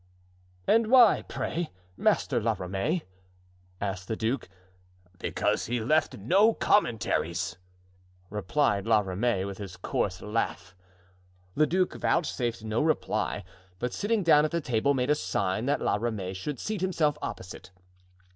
"And why, pray, Master La Ramee?" asked the duke. "Because he left no Commentaries," replied La Ramee, with his coarse laugh. The duke vouchsafed no reply, but sitting down at the table made a sign that La Ramee should seat himself opposite.